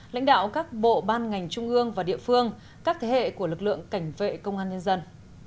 lãnh đạo các bộ ban ngành trung ương và địa phương các thế hệ của lực lượng cảnh vệ công an nhân dân